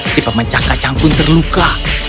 si pemecah kacang pun terluka